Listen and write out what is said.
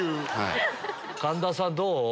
神田さんどう？